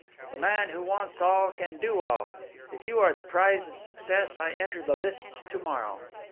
The man who wants all can do all. If you are the prize of success, I enter the lists to morrow.